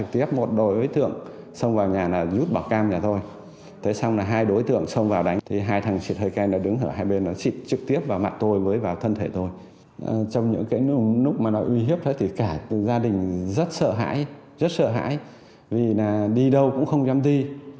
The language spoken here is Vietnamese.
trong những lúc mà nó uy hiếp cả gia đình rất sợ hãi vì đi đâu cũng không dám đi